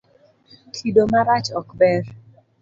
Kido marach ok ber.